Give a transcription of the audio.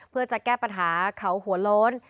เพื่อจะแก้ปัญหาเขาหัวโล้น